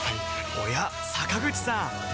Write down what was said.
おや坂口さん